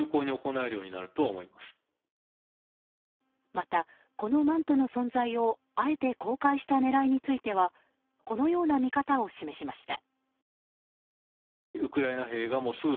また、このマントの存在をあえて公開した狙いについてはこのような見方を示しました。